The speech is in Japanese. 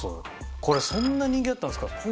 これそんなに人気だったんですか？